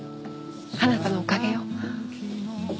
あなたのおかげよ。